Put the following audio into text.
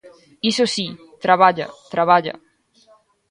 Iso si, traballa, traballa.